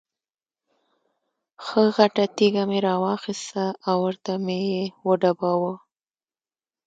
ښه غټه تیږه مې را واخسته او ورته مې یې وډباړه.